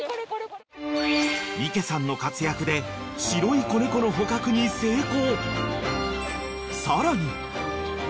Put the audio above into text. ［三毛さんの活躍で白い子猫の捕獲に成功］